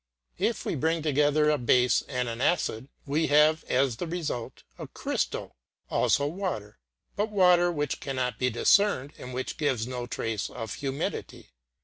If we bring together a base and an acid, we have as the result a crystal; also water; but water which cannot be discerned and which gives no trace of humidity.